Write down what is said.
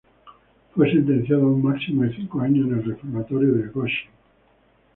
Fue sentenciado a un máximo de cinco años en el reformatorio de Goshen.